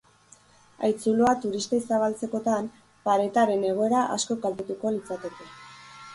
Haitzuloa turistei zabaltzekotan, paretaren egoera asko kaltetuko litzateke.